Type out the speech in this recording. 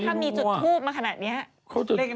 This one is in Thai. ถ้ามีจุดทูบมาขนาดนี้